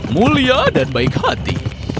mulia dan baik hati